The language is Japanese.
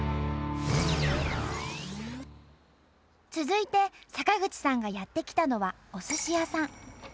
続いて坂口さんがやって来たのはおすし屋さん。